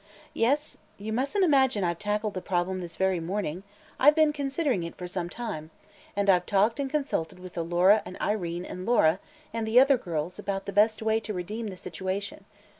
"Yes. You mustn't imagine I've tackled the problem this very morning; I've been considering it for some time, and I've talked and consulted with Alora and Irene and Laura and the other girls about the best way to redeem the situation.